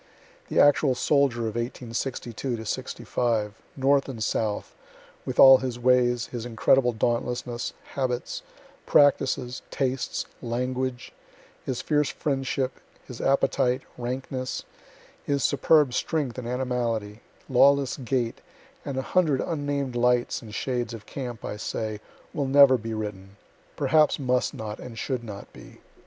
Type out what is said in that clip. The actual soldier of 1862 '65, North and South, with all his ways, his incredible dauntlessness, habits, practices, tastes, language, his fierce friendship, his appetite, rankness, his superb strength and animality, lawless gait, and a hundred unnamed lights and shades of camp, I say, will never be written perhaps must not and should not be.